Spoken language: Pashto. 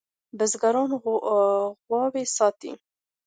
بزگر غواوې ساتي.